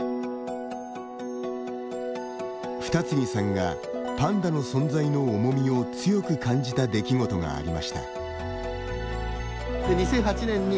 二木さんがパンダの存在の重みを強く感じた出来事がありました。